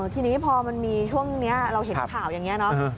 ทีนี้พอมันมีช่วงนี้เราเห็นข่าวอย่างนี้เนาะ